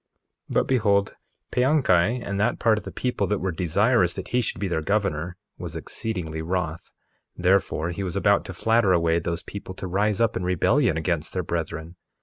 1:7 But behold, Paanchi, and that part of the people that were desirous that he should be their governor, was exceedingly wroth; therefore, he was about to flatter away those people to rise up in rebellion against their brethren.